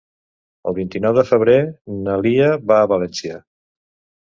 El vint-i-nou de febrer na Lia va a València.